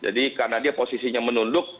jadi karena dia posisinya menunduk